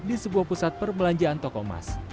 di sebuah pusat perbelanjaan toko emas